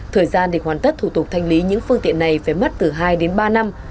thời gian để hoàn tất thủ tục thanh lý những phương tiện này phải mất từ hai đến ba năm